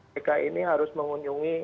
kk ini harus mengunjungi